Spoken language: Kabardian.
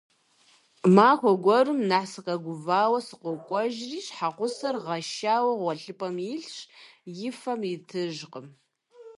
Махуэ гуэрым нэхъ сыкъэгувауэ сыкъокӀуэжри, щхьэгъусэр гъэшауэ гъуэлъыпӀэм илъщ, и фэм итыжкъым.